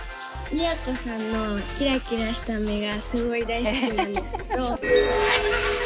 都さんのキラキラした目がすごい大好きなんですけど。